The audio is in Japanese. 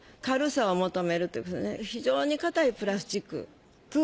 軽さを求めると非常に硬いプラスチック。